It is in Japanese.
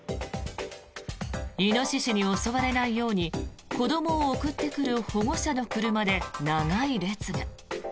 イノシシに襲われないように子どもを送ってくる保護者の車で長い列が。